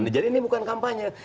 jadi ini bukan kampanye